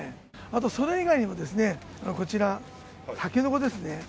あと、それ以外にも、こちら、タケノコですね。